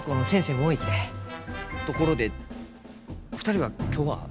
ところで２人は今日は？